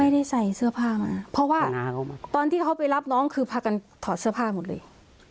ได้ใส่เสื้อผ้ามาเพราะว่าตอนที่เขาไปรับน้องคือพากันถอดเสื้อผ้าหมดเลย